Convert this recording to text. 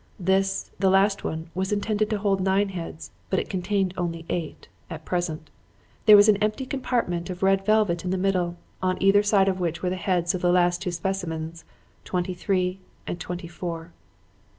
This, the last one, was intended to hold nine heads, but it contained only eight at present. There was an empty compartment of red velvet in the middle, on either side of which were the heads of the last two specimens, twenty three and twenty four.